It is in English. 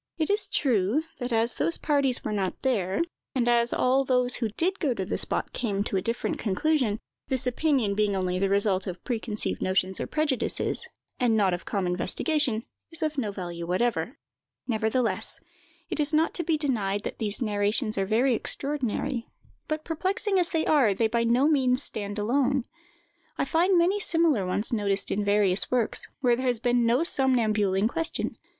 It is true, that as those parties were not there, and as all those who did go to the spot came to a different conclusion, this opinion being only the result of preconceived notions or prejudices, and not of calm investigation, is of no value whatever; nevertheless, it is not to be denied that these narrations are very extraordinary; but, perplexing as they are, they by no means stand alone. I find many similar ones noticed in various works, where there has been no somnambule in question.